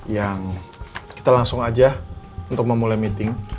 yang kita langsung aja untuk memulai meeting